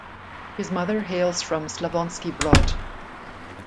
His mother hails from Slavonski Brod.